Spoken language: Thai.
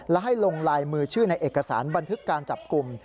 และให้ลงลายมือชื่อในเอกสารบันทึกการจับกลุ่ม